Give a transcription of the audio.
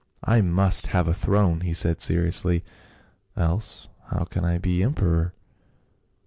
" I must have a throne," he said seriously, "else how can I be emperor?